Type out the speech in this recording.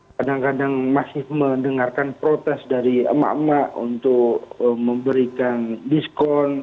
kadang kadang masih mendengarkan protes dari emak emak untuk memberikan diskon